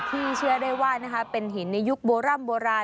ที่เชื่อได้ว่าเป็นหินในยุคโบร่ำโบราณ